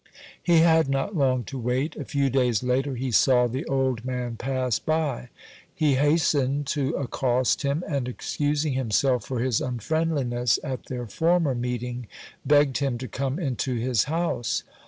He had not long to wait. A few days later he saw the old man pass by. He hastened to accost him, and, excusing himself for his unfriendliness at their former meeting, begged him to come into his house.